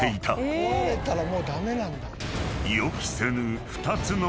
［予期せぬ］